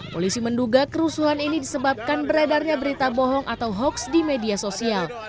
polisi menduga kerusuhan ini disebabkan beredarnya berita bohong atau hoax di media sosial